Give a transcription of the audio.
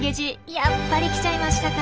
やっぱり来ちゃいましたか。